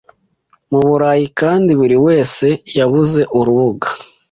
mu Burayi Kandi buri wese yabuze urubuga